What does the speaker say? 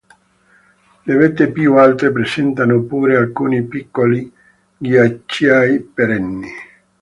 Le vette più alte presentano pure alcuni piccoli ghiacciai perenni.